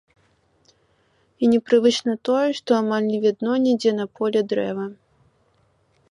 І непрывычна тое, што амаль не відно нідзе на полі дрэва.